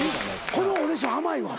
このオーディション甘いわ。